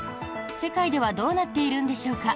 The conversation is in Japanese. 世界ではどうなっているんでしょうか？